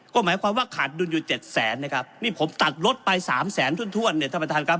ก็หมายความว่าขาดดุลอยู่เจ็ดแสนนะครับนี่ผมตัดรถไปสามแสนถ้วนเนี่ยท่านประธานครับ